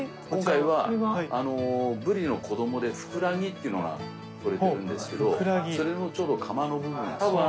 今回はブリの子どもでフクラギっていうのがとれてるんですけどそれのちょうどカマの部分です。